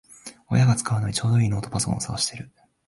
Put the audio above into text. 親が使うのにちょうどいいノートパソコンを探してる